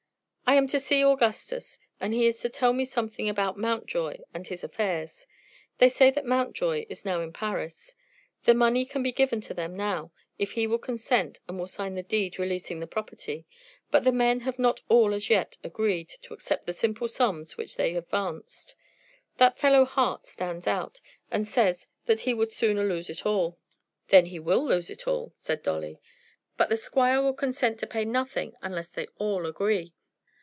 "I am to see Augustus, and he is to tell me something about Mountjoy and his affairs. They say that Mountjoy is now in Paris. The money can be given to them now, if he will consent and will sign the deed releasing the property. But the men have not all as yet agreed to accept the simple sums which they advanced. That fellow Hart stands out, and says that he would sooner lose it all." "Then he will lose it all," said Dolly. "But the squire will consent to pay nothing unless they all agree.